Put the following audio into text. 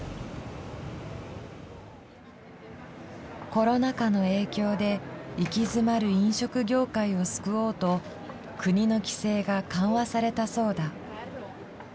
コロナ禍の影響で行き詰まる飲食業界を救おうと国の規制が緩和されたそうだ。